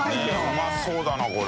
うまそうだなこれ。